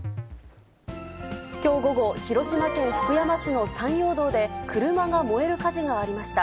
きょう午後、広島県福山市の山陽道で、車が燃える火事がありました。